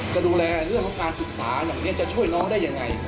จะดูแลเรื่องของการศึกษาเหล่านี้จะช่วยน้องได้ยังไง